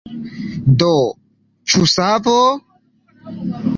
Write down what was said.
Do, ĉu savo?